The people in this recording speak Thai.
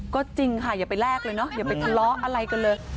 ก็จริงค่ะอย่าไปแลกเลยเนาะอย่าไปทะเลาะอะไรกันเลย